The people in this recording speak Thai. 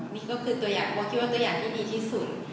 นี่ก็คือตัวอย่างที่ดีที่สุด